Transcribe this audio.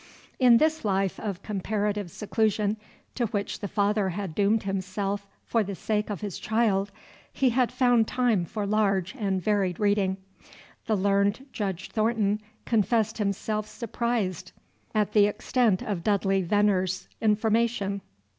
In this life of comparative seclusion to which the father had doomed himself for the sake of his child, he had found time for large and varied reading. The learned Judge Thornton confessed himself surprised at the extent of Dudley Veneer's information.